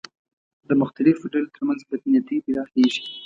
د مختلفو ډلو تر منځ بدنیتۍ پراخېږي